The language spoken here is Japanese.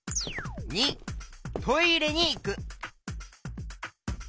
②トイレにいく。